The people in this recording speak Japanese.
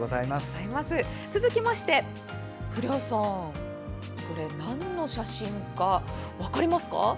続きまして、古谷さんなんの写真か分かりますか？